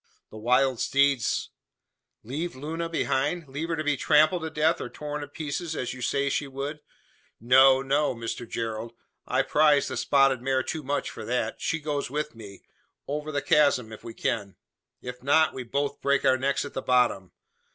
The wild steeds " "Leave Luna behind! Leave her to be trampled to death, or torn to pieces as you say she would! No no, Mr Gerald. I prize the spotted mare too much for that. She goes with me: over the chasm, if we can. If not, we both break our necks at the bottom.